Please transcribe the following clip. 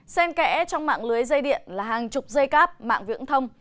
xem kẽ trong mạng lưới dây điện là hàng chục dây cáp mạng viễng thông